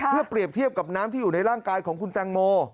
เพื่อเปรียบเทียบกับน้ำที่อยู่ในร่างกายของคุณแตงโม